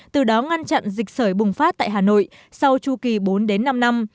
từ đó ngăn chặn dịch sởi bùng phát tại hà nội sau chu kỳ bốn đến năm năm